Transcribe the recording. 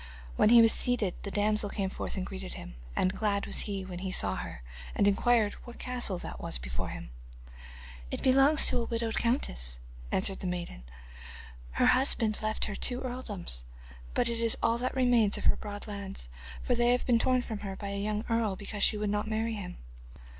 When he was seated the damsel came forth and greeted him, and glad was he when he saw her and inquired what castle that was before him. 'It belongs to a widowed countess,' answered the maiden. 'Her husband left her two earldoms, but it is all that remains of her broad lands, for they have been torn from her by a young earl, because she would not marry him.